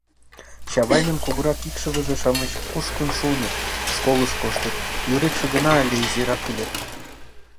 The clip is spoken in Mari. Чавайнын кугурак икшывыже-шамыч кушкын шуыныт, школыш коштыт, Юрикше гына але изирак ыле.